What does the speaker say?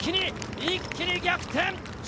一気に逆転！